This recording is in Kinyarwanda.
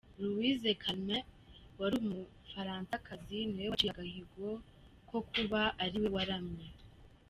Louise Calment ,wari umufaransakazi niwe waciye agahigo ko kuba ariwe waramye